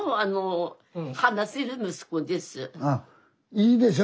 いいでしょ。